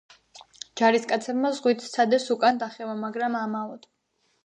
ჯარისკაცებმა ზღვით სცადეს უკან დახევა, მაგრამ ამაოდ.